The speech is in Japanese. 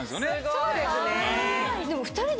そうですね。